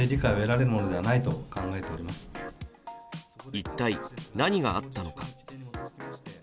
一体何があったのか？